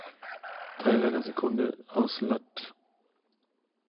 Teil einer Sekunde, aus lat.